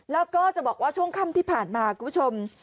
แล้วก็จะบอกว่าช่วงค่ำที่ผ่านมาคุณผู้ชม